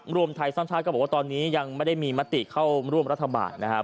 รวมไทยสร้างชาติก็บอกว่าตอนนี้ยังไม่ได้มีมติเข้าร่วมรัฐบาลนะครับ